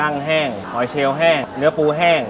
เนื้อปูแห้ง